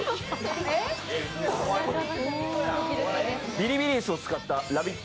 ビリビリ椅子を使った「ラヴィット！」